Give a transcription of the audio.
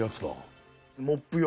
モップ用。